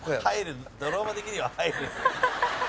ドラマ的には入る。